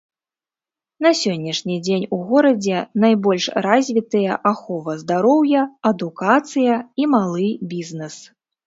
На сённяшні дзень у горадзе найбольш развітыя ахова здароўя, адукацыя і малы бізнес.